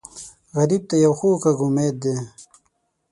غریب ته یو خوږ غږ امید دی